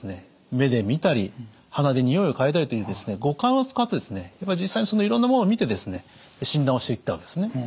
目で見たり鼻でにおいを嗅いだりっていう五感を使ってやっぱり実際にいろんなものを見て診断をしていったわけですね。